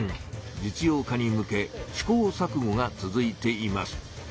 実用化に向け試行さくごが続いています。